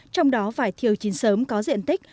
trong đó vải thiếu chín sớm có diện tích